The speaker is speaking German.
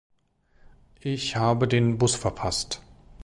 Ich habe den Bus verpasst!